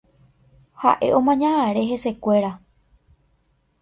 Ha'e omaña are hesekuéra.